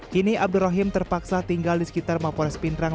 kini abdurrahim terpaksa tinggal di sekitar mapores pindrang